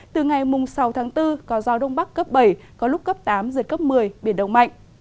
từ ngày sáu tháng bốn có gió đông bắc cấp bảy có lúc cấp tám giật cấp một mươi biển động mạnh